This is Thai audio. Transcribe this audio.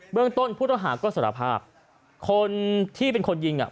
เรื่องต้นผู้ต้องหาก็สารภาพคนที่เป็นคนยิงอ่ะ